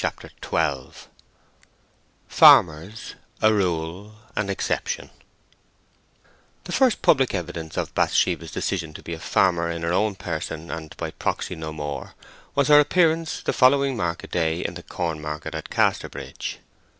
CHAPTER XII FARMERS—A RULE—AN EXCEPTION The first public evidence of Bathsheba's decision to be a farmer in her own person and by proxy no more was her appearance the following market day in the cornmarket at Casterbridge.